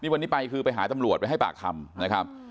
วันนี้ไปคือไปหาตำรวจไปให้ปากคำนะครับ